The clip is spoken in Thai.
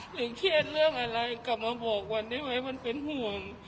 เครียดเรื่องอะไรกลับมาบอกวันได้ไหมมันเป็นห่วง